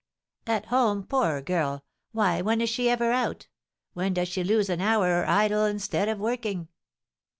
"At home, poor girl! Why, when is she ever out? When does she lose an hour, or idle instead of working?"